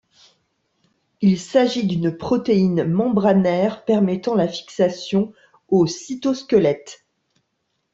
Il s'agit d'une protéine membranaire permettant la fixation au cytosquelette.